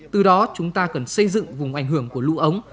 từ đó chúng ta cần xây dựng vùng ảnh hưởng của lũ ống